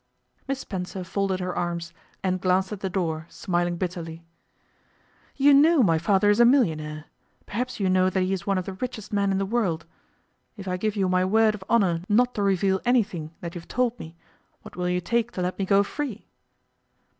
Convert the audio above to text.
Miss Spencer folded her arms, and glanced at the door, smiling bitterly. 'You know my father is a millionaire; perhaps you know that he is one of the richest men in the world. If I give you my word of honour not to reveal anything that you've told me, what will you take to let me go free?